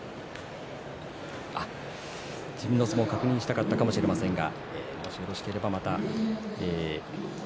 自分の相撲を確認したかったかもしれませんが。